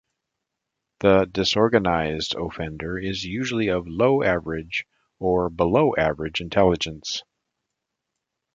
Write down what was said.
The disorganized offender is usually of low-average or below average intelligence.